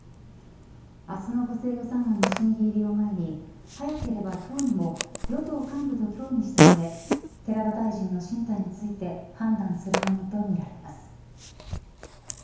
明日の補正予算案の審議入りを前に早ければ今日にも与党幹部と協議した上寺田大臣の進退について判断するものとみられます。